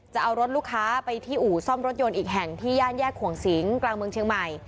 จะเอารถลูกค้าไปที่อู่ซ่อมรถยนต์อีกแห่งที่ย่านแยกขวงสิงกลางเมืองเชียงใหม่